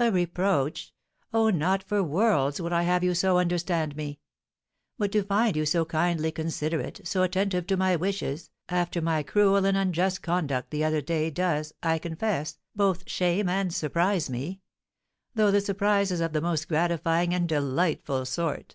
"A reproach! Oh, not for worlds would I have you so understand me! But to find you so kindly considerate, so attentive to my wishes, after my cruel and unjust conduct the other day, does, I confess, both shame and surprise me; though the surprise is of the most gratifying and delightful sort."